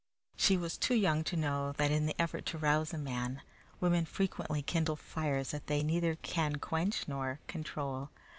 She was too young to know that in the effort to rouse a man, women frequently kindle fires that they neither can quench nor control.